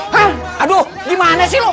hah aduh gimana sih lo